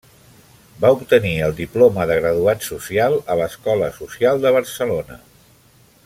Va obtenir el diploma de graduat social a l'Escola Social de Barcelona.